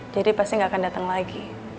jadi pasti nggak akan datang lagi